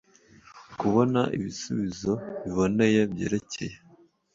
kubona ibisubizo biboneye byerekeye